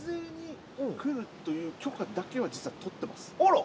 あら！